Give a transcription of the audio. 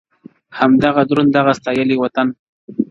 همدغه دروند دغه ستایلی وطن٫